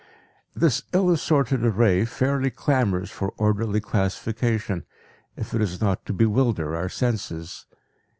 This ill assorted array fairly clamors for orderly classification if it is not to bewilder our senses.